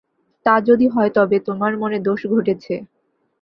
তা যদি হয় তবে তোমার মনে দোষ ঘটেছে।